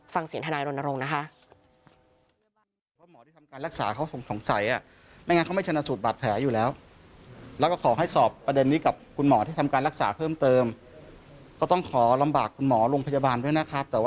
ฟังเสียฐานายรณรงค์นะคะ